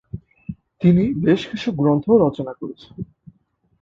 তিনি বেশ কিছু গ্রন্থও রচনা করেন।